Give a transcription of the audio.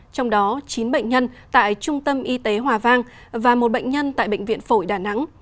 trong đó chín bệnh nhân tại trung tâm y tế hòa vang và một bệnh nhân tại bệnh viện phổi đà nẵng